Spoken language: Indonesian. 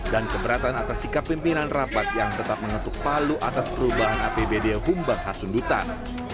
dan keberatan atas sikap pimpinan rapat yang tetap menentuk palu atas perubahan apbd humbang hasundutan